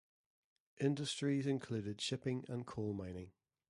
Industries included shipping and coal mining.